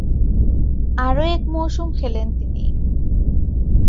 আরও এক মৌসুম খেলেন তিনি।